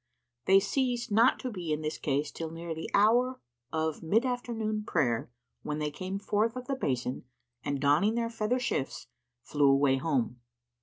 They ceased not to be in this case till near the hour of mid afternoon prayer, when they came forth of the basin and, donning their feather shifts, flew away home.